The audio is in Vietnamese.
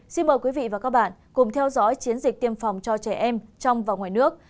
xin mời quý vị và các bạn cùng theo dõi chiến dịch tiêm phòng cho trẻ em trong và ngoài nước